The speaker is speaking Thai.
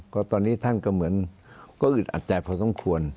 ก็ตอนนี้ท่านก็เหมือนก็อึดอัดใจพอสมควร